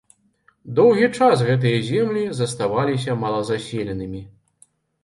Доўгі час гэтыя землі заставаліся малазаселенымі.